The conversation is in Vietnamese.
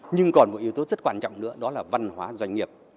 nhưng còn một yếu tố rất quan trọng nữa đó là văn hóa doanh nghiệp